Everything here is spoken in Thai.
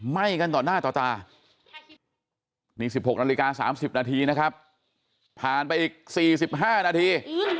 ไหม้กันต่อหน้าต่อตานี่๑๖นาฬิกา๓๐นาทีนะครับผ่านไปอีก๔๕นาที